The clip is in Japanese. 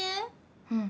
うん。